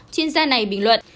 chuyên gia này bình luận